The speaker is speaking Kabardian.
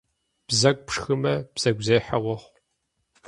Бзэгу пшхымэ бзэгузехьэ уохъу.